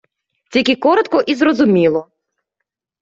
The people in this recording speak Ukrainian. Тільки коротко і зрозуміло!